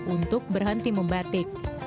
untuk berhenti membatik